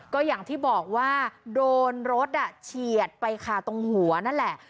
ก็อย่างที่บอกว่าโดนรถเฉียดไปค่ะตรงหัวนั่นแหละ